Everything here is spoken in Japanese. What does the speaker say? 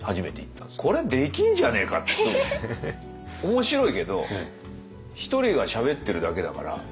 面白いけど１人がしゃべってるだけだから。